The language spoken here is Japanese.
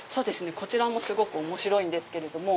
こちらもすごく面白いんですけれども。